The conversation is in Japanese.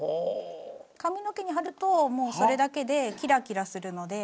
髪の毛に貼るともうそれだけでキラキラするので。